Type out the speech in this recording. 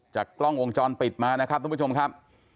กล้องวงจรปิดมานะครับทุกผู้ชมครับ